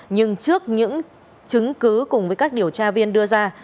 nhưng trước những chứng cứ cùng với các điều tra viên đưa ra